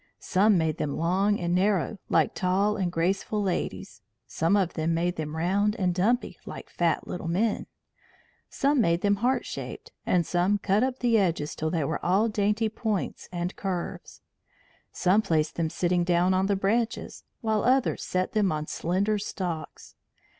Some made them long and narrow, like tall and graceful ladies; some made them round and dumpy, like fat little men; some made them heart shaped, and some cut up the edges till they were all dainty points and curves. Some placed them sitting down on the branches, while others set them on slender stalks.